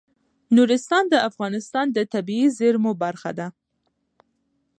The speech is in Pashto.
نورستان د افغانستان د طبیعي زیرمو برخه ده.